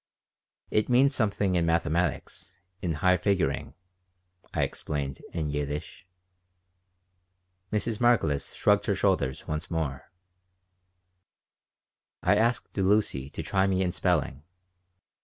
"It means something in mathematics, in high figuring," I explained in Yiddish Mrs. Margolis shrugged her shoulders once more I asked Lucy to try me in spelling.